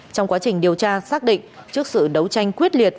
trong quá trình điều tra xác định trước sự đấu tranh quyết liệt